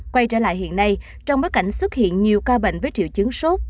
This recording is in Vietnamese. quay trở lại hiện nay trong bối cảnh xuất hiện nhiều ca bệnh với triệu chứng sốt